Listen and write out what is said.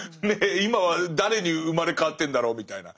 今は誰に生まれ変わってるんだろうみたいな。